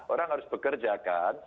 orang harus bekerja kan